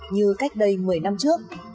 như cách đây một mươi năm trước